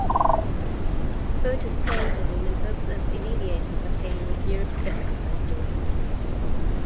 Voters turned to him in hopes of alleviating the pain of Europe's debt crisis.